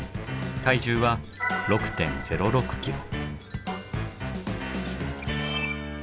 体重は６．０６ｋｇ。